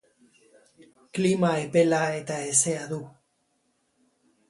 Klima epela eta hezea du.